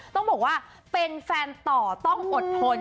ต้องบอกว่าเป็นแฟนต่อต้องอดทน